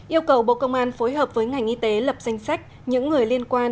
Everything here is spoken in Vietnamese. yêu cầu bộ công an phối hợp với ngành y tế lập danh sách những người liên quan